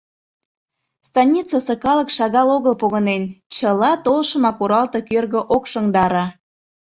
Станицысе калык шагал огыл погынен - чыла толшымак оралте кӧргӧ ок шыҥдаре.